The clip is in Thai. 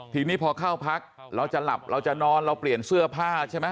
ทีนี้พอเข้าพักเราจะหลับเราจะนอนเราเปลี่ยนเสื้อผ้าใช่ไหม